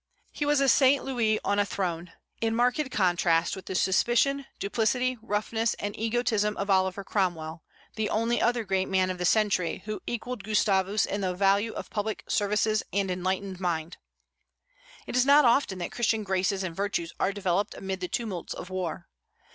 He was a Saint Louis on a throne, in marked contrast with the suspicion, duplicity, roughness, and egotism of Oliver Cromwell, the only other great man of the century who equalled Gustavus in the value of public services and enlightened mind. It is not often that Christian graces and virtues are developed amid the tumults of war.